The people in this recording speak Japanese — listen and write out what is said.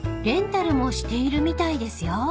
［レンタルもしているみたいですよ］